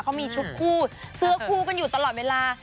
เขามีชุดคู่เสื้อคู่กันอยู่ตลอดเวลา